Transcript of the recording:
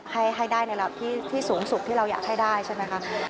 ให้ได้ในระดับที่สูงสุดที่เราอยากให้ได้ใช่ไหมคะ